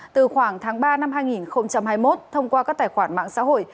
từ khoảng tháng ba năm hai nghìn hai mươi một thông qua các tài khoản mạng xã hội